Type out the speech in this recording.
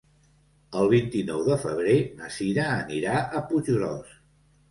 El vint-i-nou de febrer na Sira anirà a Puiggròs.